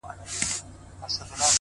هغې ويل ه ځه درځه چي کلي ته ځو،